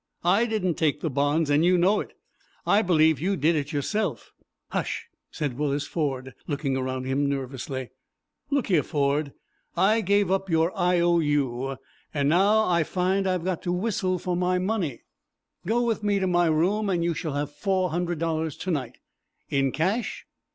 I didn't take the bonds, and you know it. I believe you did it yourself." "Hush!" said Willis Ford, looking around him nervously. "Look here, Ford, I gave up your I O U, and now I find I've got to whistle for my money." "Go with me to my room, and you shall have four hundred dollars to night." "In cash?"